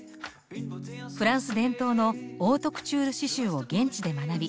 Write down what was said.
フランス伝統のオートクチュール刺しゅうを現地で学び